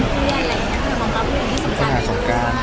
แต่วันนี้เจ้าเงินเนี้ยกระป๋อ